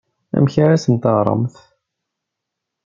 Amek ara as-teɣremt?